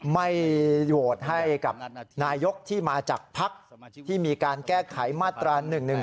ไม่โหวตให้กับนายกที่มาจากภักดิ์ที่มีการแก้ไขมาตรา๑๑๒